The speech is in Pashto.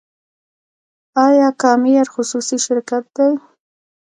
آیا کام ایر خصوصي شرکت دی؟